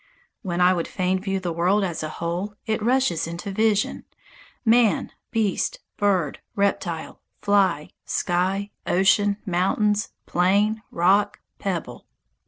When I would fain view the world as a whole, it rushes into vision man, beast, bird, reptile, fly, sky, ocean, mountains, plain, rock, pebble.